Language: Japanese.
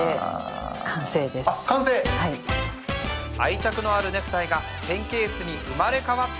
愛着のあるネクタイがペンケースに生まれ変わった